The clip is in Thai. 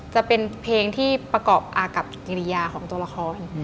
จะเป็นเพลงที่ประกอบอากับกิริยาของตัวละคร